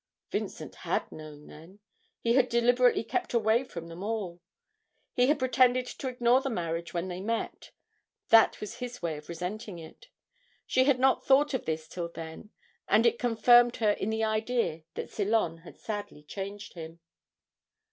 Vincent had known then. He had deliberately kept away from them all. He had pretended to ignore the marriage when they met; that was his way of resenting it. She had not thought of this till then, and it confirmed her in the idea that Ceylon had sadly changed him.